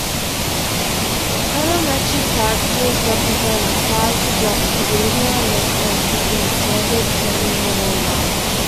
Craniometric characters represent size-adjusted linear measurements between standard cranial landmarks.